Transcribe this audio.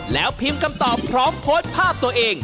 แล้วพิมพ์คำตอบพร้อมโพสต์ภาพตัวเอง